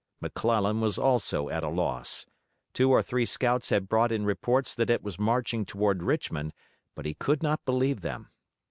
McClellan was also at a loss. Two or three scouts had brought in reports that it was marching toward Richmond, but he could not believe them.